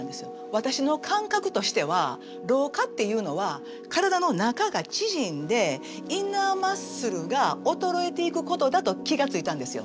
私の感覚としては老化っていうのは体の中が縮んでインナーマッスルが衰えていくことだと気が付いたんですよ。